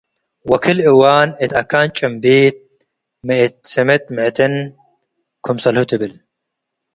ወክል-እዋን እት አካን ጭምቢት ሚ እት ስምጥ ምዕጥን ክምሰልሁ ትብል።